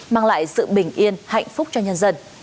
mang lại sự bình yên hạnh phúc cho nhân dân